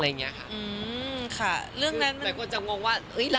ไม่ป็อโยโยเราก็เป็นห่วงพี่เอ่ย